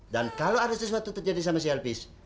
dan kalau ada sesuatu terjadi sama si elvis